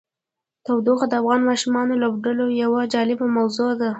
تودوخه د افغان ماشومانو د لوبو یوه جالبه موضوع ده.